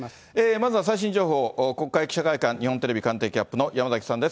まずは最新情報、国会記者会館、日本テレビ政治キャップの山崎さんです。